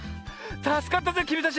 たすかったぜきみたち！